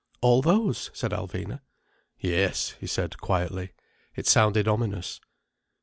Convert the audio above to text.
"All those?" said Alvina. "Yes," he said quietly. It sounded ominous.